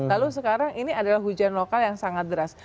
lalu sekarang ini adalah hujan lokal yang sangat deras